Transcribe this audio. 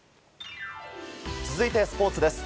続いて、スポーツです。